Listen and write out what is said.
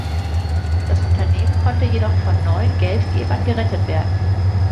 Das Unternehmen konnte jedoch von neuen Geldgebern gerettet werden.